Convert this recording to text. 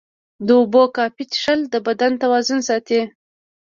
د اوبو کافي څښل د بدن توازن ساتي.